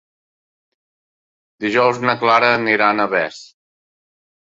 Dijous na Clara anirà a Navès.